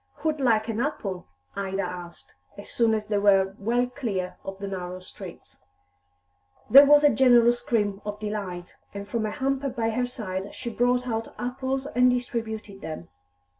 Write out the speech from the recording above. "Who'd like an apple?" Ida asked, as soon as they were well clear of the narrow streets. There was a general scream of delight, and from a hamper by her side she brought out apples and distributed them.